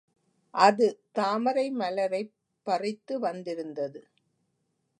அது தாமரை மலரைப் பறித்து வந்திருந்தது.